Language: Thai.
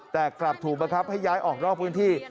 แต่กลับถูกบังคับให้ย้ายออกนอกพื้นที่